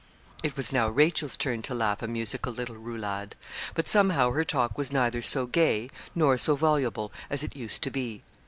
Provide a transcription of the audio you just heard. It was now Rachel's turn to laugh a musical little roulade; but somehow her talk was neither so gay, nor so voluble, as it used to be.